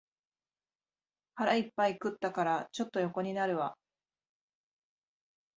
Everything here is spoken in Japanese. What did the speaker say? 腹いっぱい食ったから、ちょっと横になるわ